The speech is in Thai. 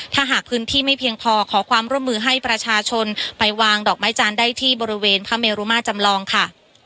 ถ้าหากพื้นที่ไม่เพียงพอขอความร่วมมือให้ประชาชนไปวางดอกไม้จันทร์ได้ที่บริเวณพระเมรุมาจำลองค่ะ